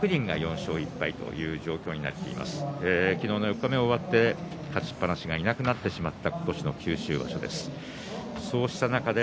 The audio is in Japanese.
四日目、終わって昨日勝ちっぱなしがいなくなってしまった今年の九州場所です。